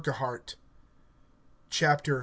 Chapter 1.